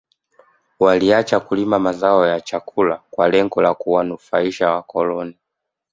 Waliacha kulima mazao ya chakula kwa lengo la kuwanufaisha wakoloni